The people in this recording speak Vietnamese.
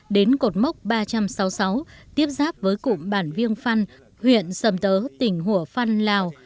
đến cột mốc ba trăm sáu mươi sáu tiếp giáp với cụm bản viêng phăn huyện sầm tớ tỉnh hủa phăn lào